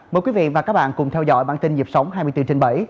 mời quý vị và các bạn cùng theo dõi bản tin nhịp sống hai mươi bốn trên bảy